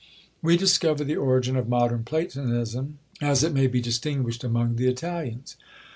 We discover the origin of MODERN PLATONISM, as it may be distinguished, among the Italians.